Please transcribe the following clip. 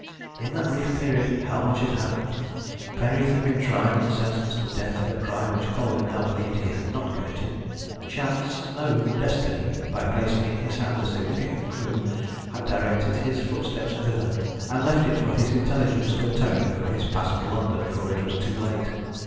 In that brief period how much had happened! Penreath had been tried and sentenced to death for a crime which Colwyn now believed he had not committed. Chance no, Destiny by placing in his hand a significant clue, had directed his footsteps thither, and left it for his intelligence to atone for his past blunder before it was too late.